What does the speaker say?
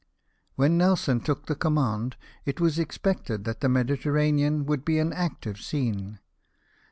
When Nelson took the command, it was expected that the Mediterranean would be an active scene.